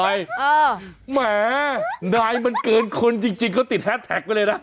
แหมนายมันเกินคนจริงเขาติดแฮสแท็กไปเลยนะ